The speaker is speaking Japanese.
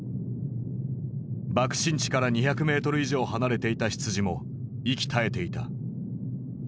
爆心地から２００メートル以上離れていた羊も息絶えていた。